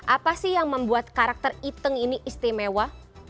apa sih yang membuat karakter iteng ini istimewa